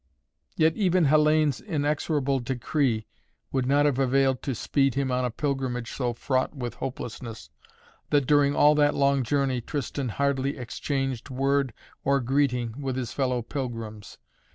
Yet even Hellayne's inexorable decree would not have availed to speed him on a pilgrimage so fraught with hopelessness, that during all that long journey Tristan hardly exchanged word or greeting with his fellow pilgrims.